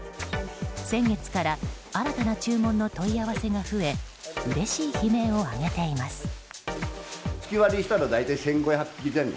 先月から新たな注文の問い合わせが増えうれしい悲鳴を上げています。